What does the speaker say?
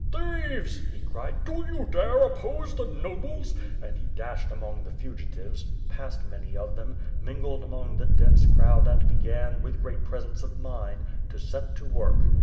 "Thieves," he cried, "do you dare oppose the nobles, and he dashed among the fugitives, pas.<ed many of them, mingled among the dense crowd and began, with great presence of mind, to set to work.